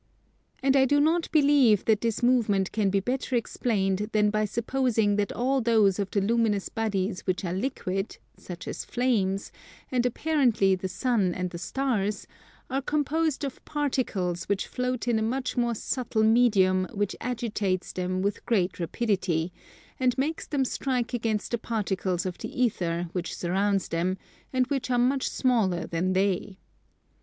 And I do not believe that this movement can be better explained than by supposing that all those of the luminous bodies which are liquid, such as flames, and apparently the sun and the stars, are composed of particles which float in a much more subtle medium which agitates them with great rapidity, and makes them strike against the particles of the ether which surrounds them, and which are much smaller than they.